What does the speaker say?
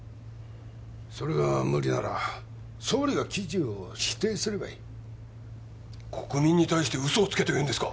それが無理なら総理が記事を否定すればいい国民に対して嘘をつけと言うんですか？